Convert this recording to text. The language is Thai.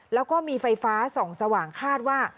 แล้วก็มีไฟฟ้าส่องสว่างคาดว่า